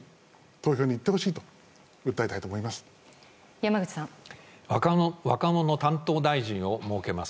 投票に行ってほしいと訴えたいと思います。